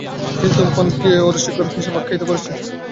তিনি ধূমপানকে অরুচিকর হিসেবে আখ্যায়িত করেছেন।